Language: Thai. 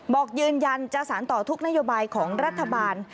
บอกยืนยันจะสารต่อทุกนโยบายของรัฐบาล